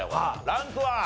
ランクは？